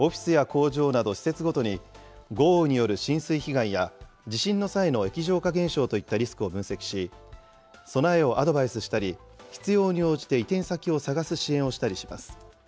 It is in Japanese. オフィスや工場など施設ごとに豪雨による浸水被害や地震の際の液状化現象といったリスクを分析し、備えをアドバイスしたり、必要に応じて移転先を探す支援をしたりします。